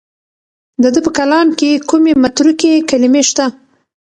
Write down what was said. د ده په کلام کې کومې متروکې کلمې شته؟